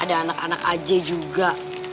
ada anak anak aja juga